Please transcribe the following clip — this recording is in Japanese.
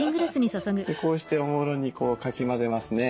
こうしておもむろにかき混ぜますね。